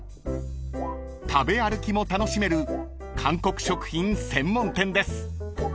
［食べ歩きも楽しめる韓国食品専門店です］